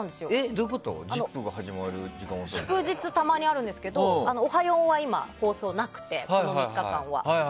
祝日、たまにあるんですけど「Ｏｈａ！４」はなくてこの３日間は。